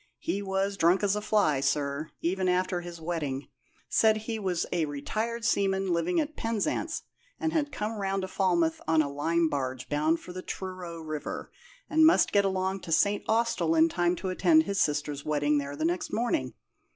He was as drunk as a fly, sir, even after his wetting. Said he was a retired seaman living at Penzance, had come round to Falmouth on a lime barge bound for the Truro river, and must get along to St. Austell in time to attend his sister's wedding there next morning.